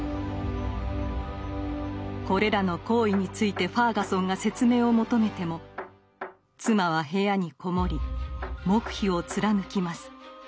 これらの行為についてファーガソンが説明を求めても妻は部屋に籠もり黙秘を貫きます。